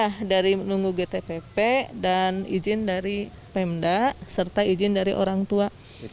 ya dari menunggu gtpp dan izin dari pemda serta izin dari orang tua